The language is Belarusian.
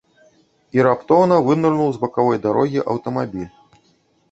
І раптоўна вынырнуў з бакавой дарогі аўтамабіль.